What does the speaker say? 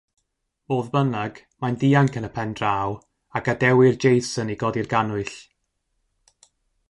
Fodd bynnag, mae'n dianc yn y pen draw a gadewir Jason i godi'r gannwyll.